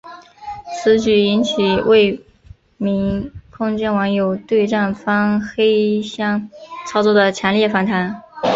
此举引起未名空间网友对站方黑箱操作的强烈反弹。